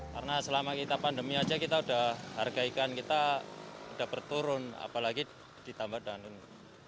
karena selama kita pandemi saja kita udah harga ikan kita udah berturun apalagi ditambah dan ini